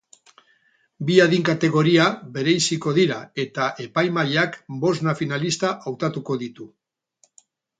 Bi adin-kategoria bereiziko dira, eta epaimahaiak bosna finalista hautatuko ditu.